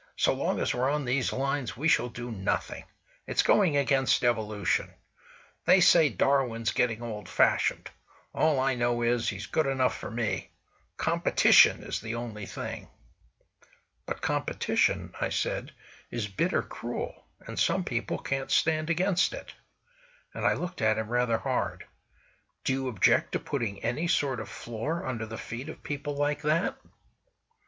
So long as we're on these lines, we shall do nothing. It's going against evolution. They say Darwin's getting old fashioned; all I know is, he's good enough for me. Competition is the only thing." "But competition," I said, "is bitter cruel, and some people can't stand against it!" And I looked at him rather hard: "Do you object to putting any sort of floor under the feet of people like that?"